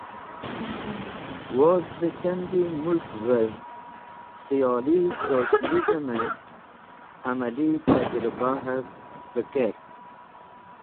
Woz de Chandi Mulkvev Khiyoli Socialisme amali tajrẽbahev be kert.